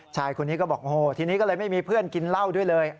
ชายคนนี้ก็บอกโอ้โหทีนี้ก็เลยไม่มีเพื่อนกินเหล้าด้วยเลย